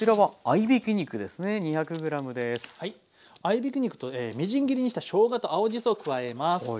合いびき肉とみじん切りにしたしょうがと青じそを加えます。